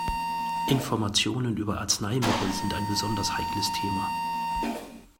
Informationen über Arzneimittel sind ein besonders heikles Thema.